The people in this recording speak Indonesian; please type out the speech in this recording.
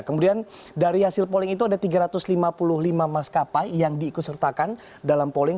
kemudian dari hasil polling itu ada tiga ratus lima puluh lima maskapai yang diikut sertakan dalam polling